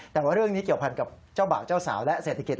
แต่ว่าเรื่องนี้เกี่ยวพันกับเจ้าบ่าวเจ้าสาวและเศรษฐกิจ